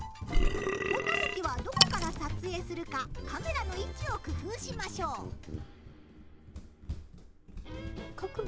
こんな時はどこから撮影するかカメラの位置を工夫しましょう。ＯＫ！